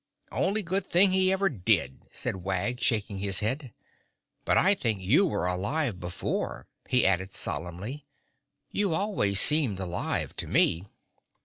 "Only good thing he ever did," said Wag, shaking his head. "But I think you were alive before," he added solemnly. "You always seemed alive to me."